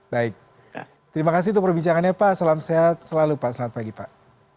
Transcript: baik terima kasih untuk perbicaraannya pak salam sehat selalu pak selamat pagi pak